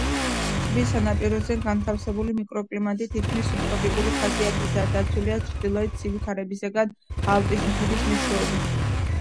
ტბის სანაპიროზე განვითარებული მიკროკლიმატი თითქმის სუბტროპიკული ხასიათისაა, დაცულია ჩრდილოეთი ცივი ქარებისაგან ალპის მთებით მეშვეობით.